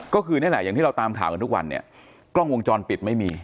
ก็คือนี่แหละอย่างที่เราตามข่าวกันทุกวันเนี่ยกล้องวงจรปิดไม่มี